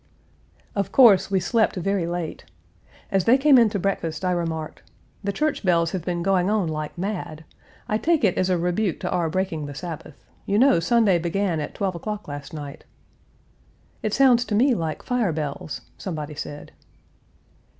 Of course, we slept very late. As they came in to breakfast, I remarked, "The church bells have been going on like mad. I take it as a rebuke to our breaking the Sabbath. You know Sunday began at twelve o'clock last night." "It sounds to me like fire bells," somebody said.